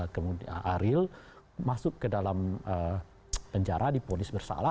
kemudian aril masuk ke dalam penjara di polis bersama